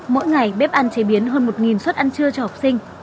mỗi ngày bếp ăn chế biến hơn một suất ăn trưa cho học sinh